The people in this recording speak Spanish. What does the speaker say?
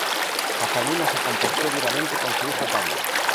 Catalina se comportó duramente con su hijo Pablo.